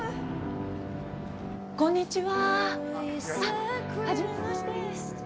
こんにちは。